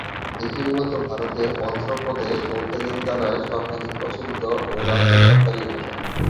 এটি মূলত ভারতের অন্ধ্রপ্রদেশ ও তেলেঙ্গানায় সর্বাধিক প্রচলিত ও রাজ্য সরকারি ভাষা।